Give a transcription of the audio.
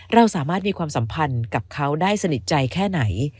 เราสามารถมีความสัมพันธ์กับเขาได้สนิทใจแค่ไหน